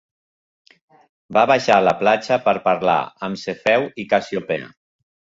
Va baixar a la platja per parlar amb Cefeu i Cassiopea.